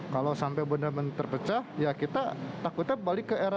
kalau sampai benar benar terpecah ya kita takutnya balik ke era